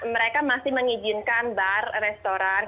mereka masih mengizinkan bar restoran